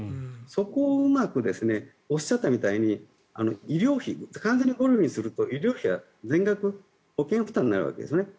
そこをうまくおっしゃったみたいに医療費、完全に５類にすると医療費は全額保険負担になるわけですね。